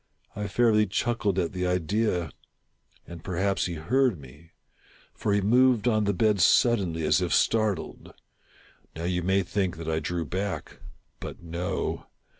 I fairly chuckled at the idea ; and perhaps he heard me ; for he moved on the bed suddenly, as if startled. Now you may think that I drew back — but no.